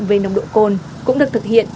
về nồng độ cồn cũng được thực hiện